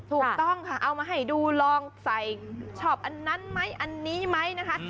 ถูกต้องค่ะเอามาให้ดูลองใส่ชอบอันนั้นไหมอันนี้ไหมนะคะ